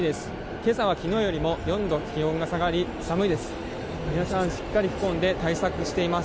今朝は昨日よりも４度気温が下がり寒いです。